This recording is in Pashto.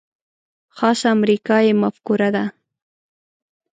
خاصه امریکايي مفکوره ده.